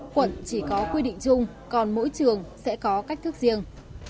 quận chỉ có quy định chung còn mỗi trường sẽ có cách thức riêng